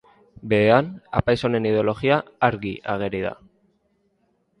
Behean, apaiz honen ideologia argi ageri da.